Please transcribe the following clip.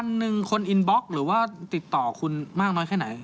วันหนึ่งคนอินบล็อกหรือว่าติดต่อคุณมากน้อยแค่ไหน